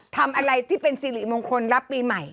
ทำอะไรที่เป็นสิริมงคลรับปีใหม่